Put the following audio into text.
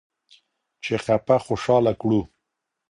چې خپه خوشحاله کړو.